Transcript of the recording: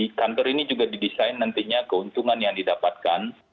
di kantor ini juga didesain nantinya keuntungan yang didapatkan